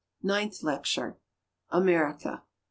Ninth lecture — America.